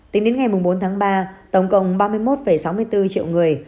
tính đến ngày bốn tháng ba tổng cộng ba mươi một sáu mươi bốn triệu người